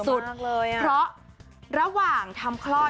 เพราะระหว่างทำคลอด